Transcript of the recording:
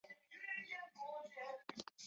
王舟舟是中国男子跳高运动员。